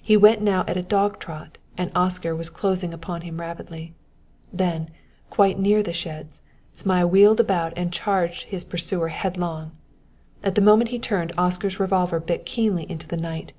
He went now at a dog trot and Oscar was closing upon him rapidly; then, quite near the sheds, Zmai wheeled about and charged his pursuer headlong. At the moment he turned, Oscar's revolver bit keenly into the night.